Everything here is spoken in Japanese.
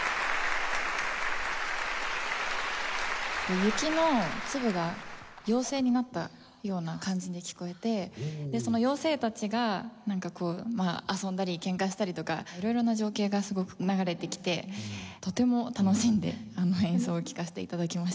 雪の粒が妖精になったような感じに聞こえてその妖精たちがなんかこう遊んだりケンカしたりとか色々な情景がすごく流れてきてとても楽しんで演奏を聴かせて頂きました。